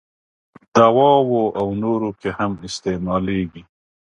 دواوو او نورو کې هم استعمالیږي.